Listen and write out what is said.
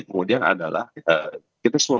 kemudian adalah kita semua